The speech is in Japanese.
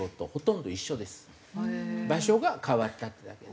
場所が変わったってだけで。